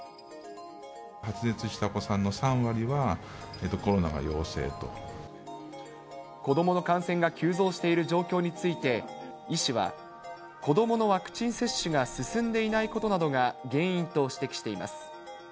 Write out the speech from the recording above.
発熱したお子さんの３割は、子どもの感染が急増している状況について、医師は子どものワクチン接種が進んでいないことなどが原因と指摘しています。